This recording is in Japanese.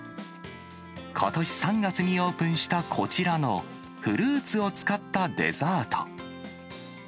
ことし３月にオープンした、こちらのフルーツを使ったデザート。